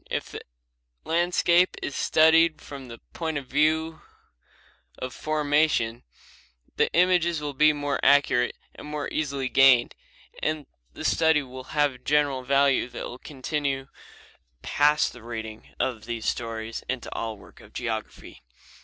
If the landscape is studied from the point of view of formation, the images will be more accurate and more easily gained, and the study will have a general value that will continue past the reading of these stories into all work in geography.